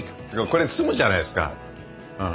これで済むじゃないですかうん。